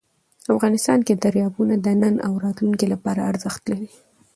افغانستان کې دریابونه د نن او راتلونکي لپاره ارزښت لري.